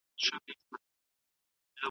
ساعت موزيم ته يوړل سو.